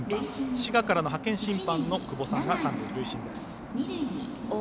滋賀からの派遣審判の久保さんが三塁塁審です。